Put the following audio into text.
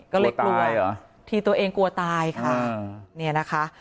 ก็เลยกลัวที่ตัวเองกลัวตายค่ะ